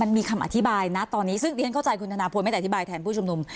มีคำอธิบายนะตอนนี้ซึ่งเรียนเข้าใจคุณธนาพลไม่ได้อธิบายแทนผู้ชุมนุม